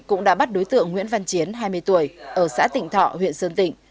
cũng đã bắt đối tượng nguyễn văn chiến hai mươi tuổi ở xã tịnh thọ huyện sơn tịnh